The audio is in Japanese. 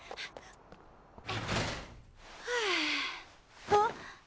はああっ！